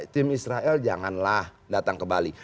tim israel janganlah datang ke bali